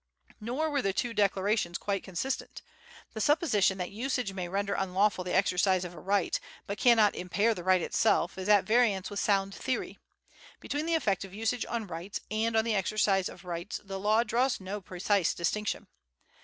Nor were the two declarations quite consistent. The supposition that usage may render unlawful the exercise of a right, but cannot impair the right itself, is at variance with sound theory. Between the effect of usage on rights, and on the exercise of rights, the law draws no precise distinction.